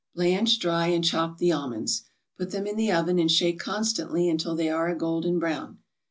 Blanch, dry and chop the almonds. Put them in the oven and shake constantly until they are a golden brown.